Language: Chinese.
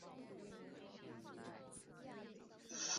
为阿信配音的大陆配音员张桂兰为此获得飞天奖最佳配音奖。